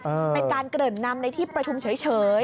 เป็นการเกริ่นนำในที่ประชุมเฉย